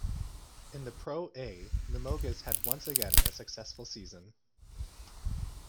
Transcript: In the Pro A, Limoges had once again a successful season.